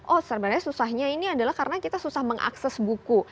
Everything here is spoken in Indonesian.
oh sebenarnya susahnya ini adalah karena kita susah mengakses buku